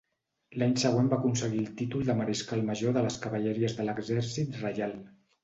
L’any següent va aconseguir el títol de mariscal major de les cavalleries de l’exèrcit reial.